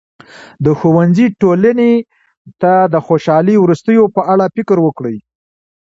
د ښوونځي ټولنې ته د خوشاله وروستیو په اړه فکر وکړي.